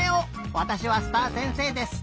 わたしはすたあせんせいです。